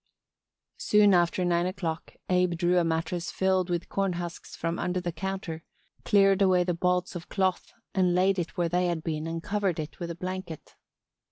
Soon after nine o'clock Abe drew a mattress filled with corn husks from under the counter, cleared away the bolts of cloth and laid it where they had been and covered it with a blanket.